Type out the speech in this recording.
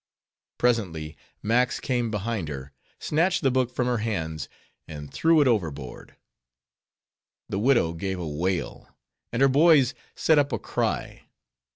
Presently Max came behind her, snatched the book from her hands, and threw it overboard. The widow gave a wail, and her boys set up a cry.